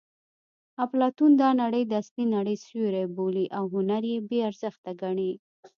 اپلاتون دا نړۍ د اصلي نړۍ سیوری بولي او هنر یې بې ارزښته ګڼي